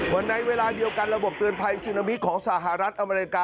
ในเวลาเดียวกันระบบเตือนภัยซึนามิของสหรัฐอเมริกา